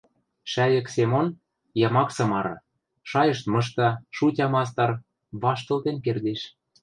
Шӓйӹк Семон — ямаксы мары, шайышт мышта, шутя мастар — ваштылтен кердеш.